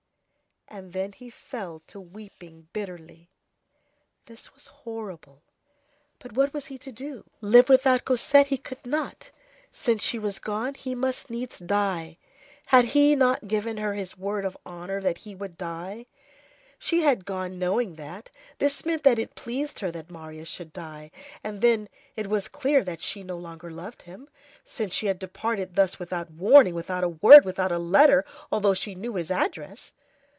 And then he fell to weeping bitterly. This was horrible. But what was he to do? Live without Cosette he could not. Since she was gone, he must needs die. Had he not given her his word of honor that he would die? She had gone knowing that; this meant that it pleased her that Marius should die. And then, it was clear that she no longer loved him, since she had departed thus without warning, without a word, without a letter, although she knew his address!